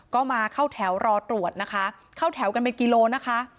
ก็มาเข้าแถวรอตรวจนะคะเข้าแถวกันเป็นกิโลนะคะ